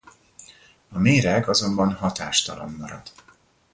A méreg azonban hatástalan marad.